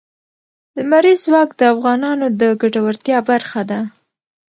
لمریز ځواک د افغانانو د ګټورتیا برخه ده.